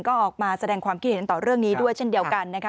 ก็ออกมาแสดงความคิดเห็นต่อเรื่องนี้ด้วยเช่นเดียวกันนะคะ